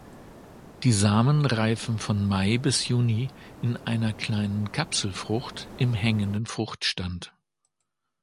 Die Samen reifen von Mai bis Juni in einer kleinen Kapselfrucht im hängenden Fruchtstand.